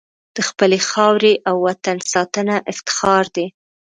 د خپلې خاورې او وطن ساتنه افتخار دی.